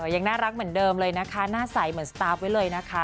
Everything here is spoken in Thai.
ยังน่ารักเหมือนเดิมเลยนะคะหน้าใสเหมือนสตาร์ฟไว้เลยนะคะ